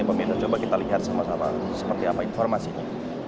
jadi pemirsa coba kita lihat sama sama seperti apa informasinya